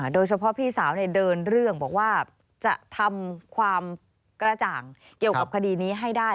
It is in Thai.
โดยเฉพาะพี่สาวเดินเรื่องบอกว่าจะทำความกระจ่างเกี่ยวกับคดีนี้ให้ได้